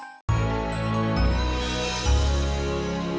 sampe sesuatu kali